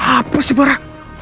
apa sih para